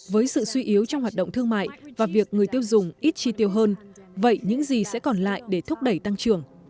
với sự suy yếu trong hoạt động thương mại và việc người tiêu dùng ít chi tiêu hơn vậy những gì sẽ còn lại để thúc đẩy tăng trưởng